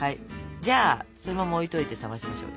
じゃあそのまま置いといて冷ましましょう。